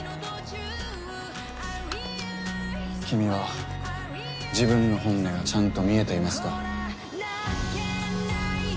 君は自分の本音がちゃんと見えていますか？